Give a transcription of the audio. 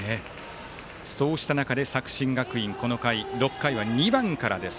そうした中で作新学院、この回６回は２番からです。